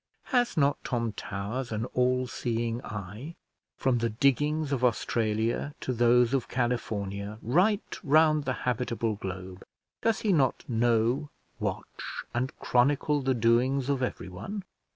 Has not Tom Towers an all seeing eye? From the diggings of Australia to those of California, right round the habitable globe, does he not know, watch, and chronicle the doings of everyone?